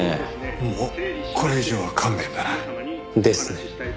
もうこれ以上は勘弁だな。ですね。